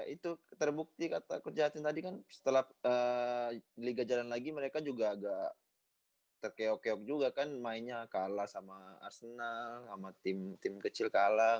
itu terbukti kata coach justin tadi kan setelah liga jalan lagi mereka juga agak terkeok keok juga kan mainnya kalah sama arsenal sama tim kecil kalah